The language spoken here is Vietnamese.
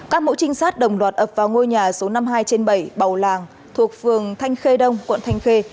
các mẫu trinh sát đồng loạt ập vào ngôi nhà số năm mươi hai trên bảy bầu làng thuộc phường thanh khê đông quận thanh khê